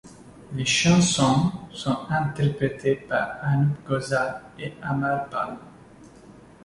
Les chansons sont interprétées par Anup Ghosal et Amar Pal.